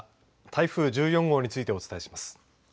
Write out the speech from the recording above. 台風１４号についてお伝えします。